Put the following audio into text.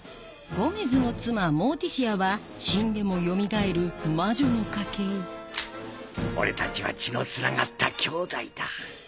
ゴメズの妻・モーティシアは死んでもよみがえる魔女の家系俺たちは血のつながった兄弟だ。